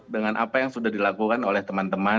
dengan apa yang sudah dilakukan oleh teman teman